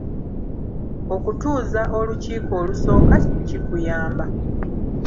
Okutuuza olukiiko olusooka kikuyamba.